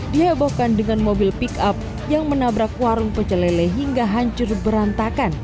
dihebohkan dengan mobil pick up yang menabrak warung pecelele hingga hancur berantakan